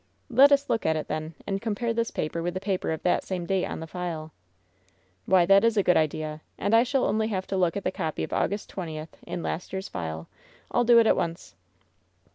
'' "Let us look at it, then, and compare this paper with the paper of that same date on the file." "Why, that is a good idea. And I shall only have to look at the copy of August 20th in last year's file. I'll do it at once."